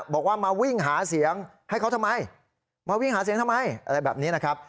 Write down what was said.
บอกว่ามาวิ่งหาเสียงให้เขาทำไมมาวิ่งหาเสียงทำไมอะไรแบบนี้นะครับ